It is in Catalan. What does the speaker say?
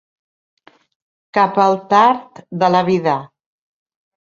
Cap al tard de la vida.